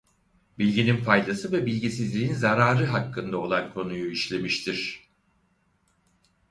Bilginin faydası ve bilgisizliğin zararı hakkında olan konuyu işlemiştir.